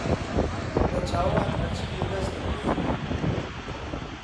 بەچاوان هەرچی لە دەستم بێ